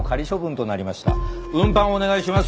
運搬をお願いします。